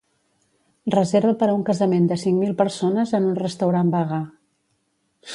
Reserva per a un casament de cinc mil persones en un restaurant vegà.